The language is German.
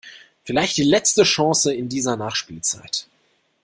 Vielleicht die letzte Chance in dieser Nachspielzeit.